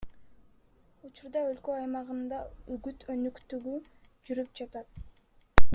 Учурда өлкө аймагында үгүт өнөктүгү жүрүп жатат.